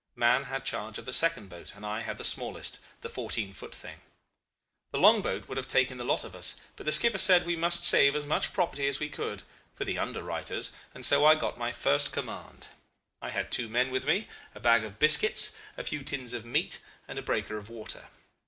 Mahon had charge of the second boat, and I had the smallest the 14 foot thing. The long boat would have taken the lot of us; but the skipper said we must save as much property as we could for the under writers and so I got my first command. I had two men with me, a bag of biscuits, a few tins of meat, and a breaker of water.